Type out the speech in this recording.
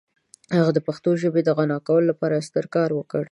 هغه د پښتو ژبې د غنا لپاره یو ستر کار وکړ.